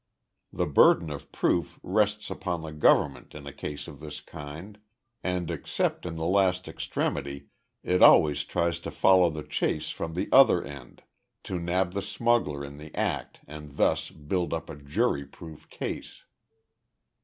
The burden of proof rests upon the government in a case of this kind and, except in the last extremity, it always tries to follow the chase from the other end to nab the smuggler in the act and thus build up a jury proof case.